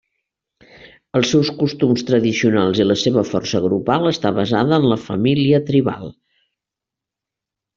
Els seus costums tradicionals i la seva força grupal està basada en la família tribal.